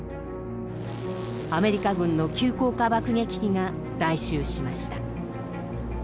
アメリカ軍の急降下爆撃機が来襲しました。